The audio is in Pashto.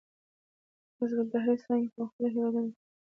د حزب التحریر څانګې په مختلفو هېوادونو کې دي.